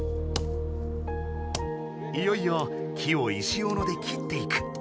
いよいよ木を石オノで切っていく。